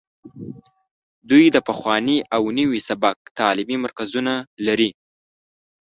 دوی د پخواني او نوي سبک تعلیمي مرکزونه لري